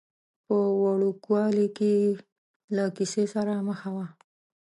په وړوکوالي کې یې له کیسې سره مخه وه.